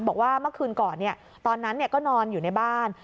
บอกว่าเมื่อคืนก่อนตอนนั้นก็นอนอยู่ในบ้าน